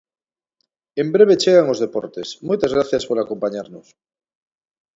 En breve chegan os deportes, moitas grazas por acompañarnos.